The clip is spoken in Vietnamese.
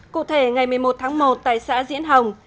cụ thể ngày một mươi một tháng một tại xã diễn hồng